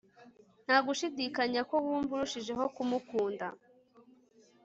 nta gushidikanya ko wumva urushijeho kumukunda